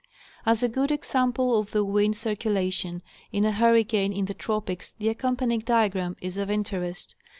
Asa good example of the wind circulation in a hurricane in the tropics the accompanying diagram is of interest.